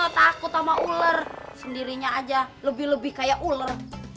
takut sama ular sendirinya aja lebih lebih kayak ular